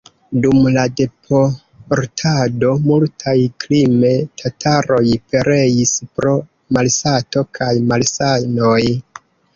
Dum la deportado multaj krime-tataroj pereis pro malsato kaj malsanoj.